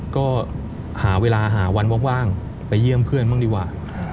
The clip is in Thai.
ก็หาเวลาหาวันว่างไปเยี่ยมเพื่อนบ้างดีกว่า